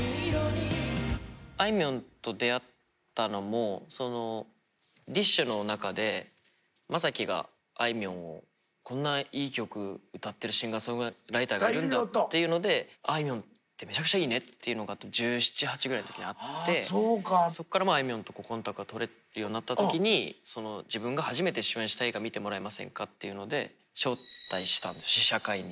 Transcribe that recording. あいみょんと出会ったのもＤＩＳＨ／／の中で昌暉があいみょんをこんないい曲歌ってるシンガーソングライターがいるんだっていうのであいみょんってめちゃくちゃいいねっていうのが１７１８ぐらいの時にあってそっからあいみょんとコンタクトが取れるようになった時に自分が初めて主演した映画見てもらえませんかっていうので招待したんです試写会に。